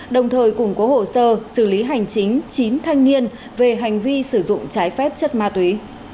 đồng thời củng cố hồ sơ xử lý hành chính chín thanh niên về hành vi sử dụng trái phép chất ma túy